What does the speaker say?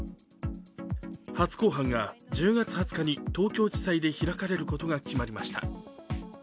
初公判が１０月２０日に東京地裁で開かれることが決まりました。